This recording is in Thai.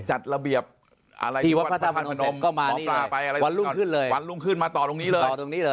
จัดระเบียบพี่วัฒนภนมเสร็จก็มาหวันรุ่งขึ้นเลยหวันรุ่งขึ้นมาต่อตรงนี้เลย